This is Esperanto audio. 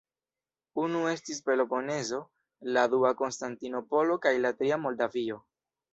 Unu estis Peloponezo, la dua Konstantinopolo kaj la tria Moldavio.